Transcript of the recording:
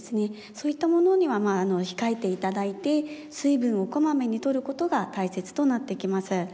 そういったものには控えて頂いて水分をこまめにとることが大切となってきます。